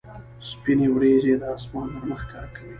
سپینې ورېځې د اسمان نرمښت ښکاره کوي.